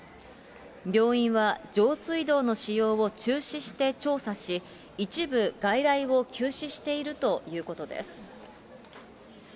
病院は上水道の使用を中止して調査し、一部外来を休止しているということです。